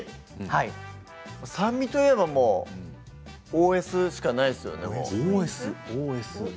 酸味といえば、もうＯＳしかないですよね。